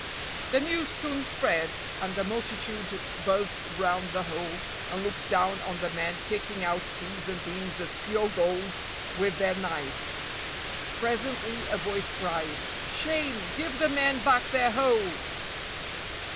The news soon spread, and a multitude buzzed round the hole and looked down on the men picking out peas and beans of pure gold with their knives. Presently a voice cried, "Shame, give the men back their hole!"